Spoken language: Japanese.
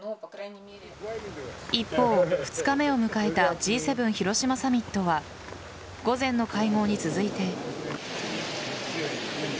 一方、２日目を迎えたＧ７広島サミットは午前の会合に続いて。